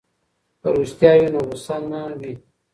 که رښتیا وي نو غصه نه وي.